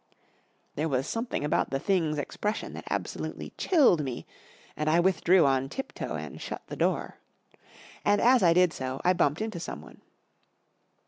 There was something about the thing's expression that absolutely chilled me, and I withdrew on tip toe and shut the door. And, as I did so, I bumped into someone.